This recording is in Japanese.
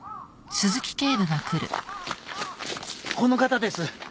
この方です。